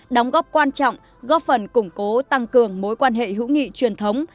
đóng góp quan trọng góp phần củng cố tăng cường mối quan hệ hữu nghị truyền thống